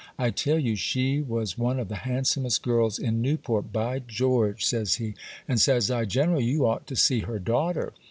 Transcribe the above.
I tell you, she was one of the handsomest girls in Newport, by George!" says he. And says I,—"General, you ought to see her daughter."